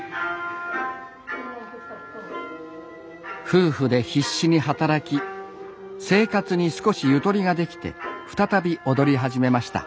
夫婦で必死に働き生活に少しゆとりができて再び踊り始めました。